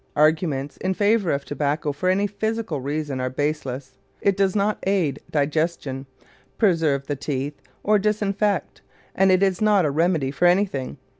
Arguments in favor of tobacco for any physical reason are baseless. It does not aid digestion, preserve the teeth, or disinfect, and it is not a remedy for anything.